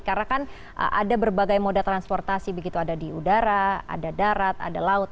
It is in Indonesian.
karena kan ada berbagai moda transportasi begitu ada di udara ada darat ada laut